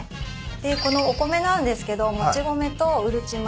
でこのお米なんですけどもち米とうるち米。